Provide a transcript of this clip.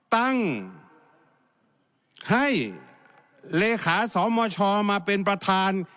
ตั้งให้เลขาสมชมาเป็นประธาน